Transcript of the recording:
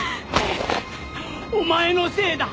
お前のせいだ！